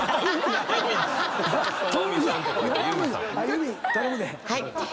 友美頼むで。